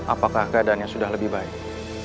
apakah keadaannya sudah lebih baik